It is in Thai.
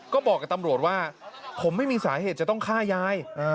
ก็บอกกับตำรวจว่าผมไม่มีสาเหตุจะต้องฆ่ายาย